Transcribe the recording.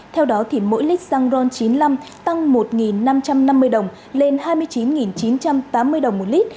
theo đó mỗi lít xăng ron chín mươi năm tăng một năm trăm năm mươi đồng lên hai mươi chín chín trăm tám mươi đồng một lít